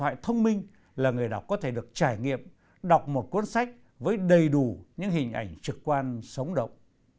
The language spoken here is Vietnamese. thoại thông minh là người đọc có thể được trải nghiệm đọc một cuốn sách với đầy đủ những hình ảnh trực quan sống động